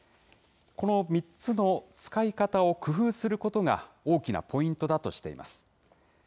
この３つの使い方を工夫することが、大きなポイントだとしています。